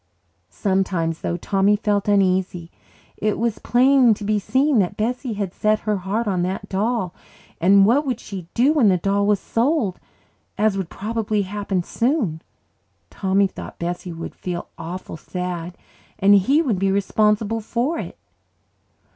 Sometimes, though, Tommy felt uneasy. It was plain to be seen that Bessie had set her heart on that doll. And what would she do when the doll was sold, as would probably happen soon? Tommy thought Bessie would feel awful sad, and he would be responsible for it.